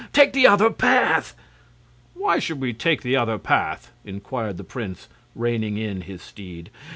Take the other path!" "And why should we take the other path?" inquired the prince, reining in his steed.